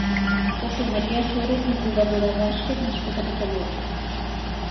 José María Soro és un jugador de bàsquet nascut a Catalunya.